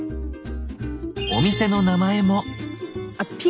お店の名前も。